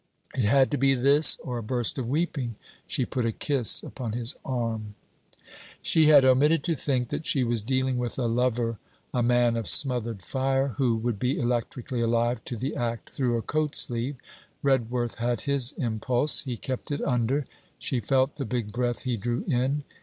It had to be this or a burst of weeping: she put a kiss upon his arm. She had omitted to think that she was dealing with a lover a man of smothered fire, who would be electrically alive to the act through a coat sleeve. Redworth had his impulse. He kept it under, she felt the big breath he drew in.